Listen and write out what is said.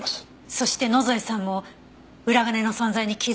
そして野添さんも裏金の存在に気づいていたとしたら。